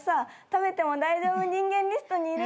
食べても大丈夫人間リストに入れよう？